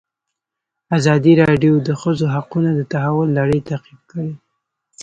ازادي راډیو د د ښځو حقونه د تحول لړۍ تعقیب کړې.